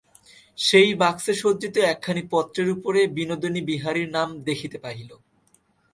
সেই বাক্সে সজ্জিত একখানি পত্রের উপরে বিনোদিনী বিহারীর নাম দেখিতে পাইল।